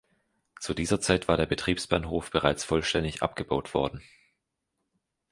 Zu dieser Zeit war der Betriebsbahnhof bereits vollständig abgebaut worden.